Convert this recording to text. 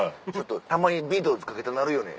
たまにビートルズかけたなるよね